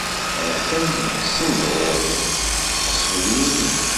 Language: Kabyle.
Ha-ten-an beggsen-d ɣur-i, qesden-iyi-d.